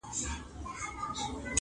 شا و خوا د تورو کاڼو کار و بار دی,